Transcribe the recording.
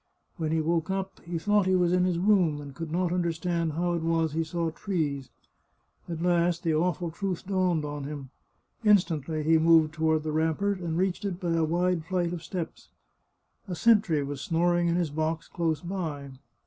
When he woke up he thought he was in his room, and could not understand how it was he saw trees. At last the awful truth dawned on him. Instantly he moved toward the rampart, and reached it by a wide flight of steps. A sentry was snoring in his box close by.